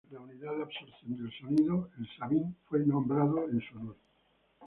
Además, la unidad de absorción del sonido, el sabin, fue nombrado en su honor.